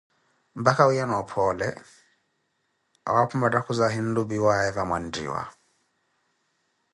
mpakha wiiyana ophoole, awaapho mattakhuzi ahinlupiwaaye vamwanttiwa.